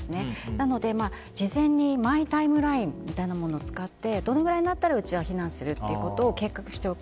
なので、事前にマイタイムラインみたいなものを使ってどのくらいになったらうちは避難するということを計画しておく。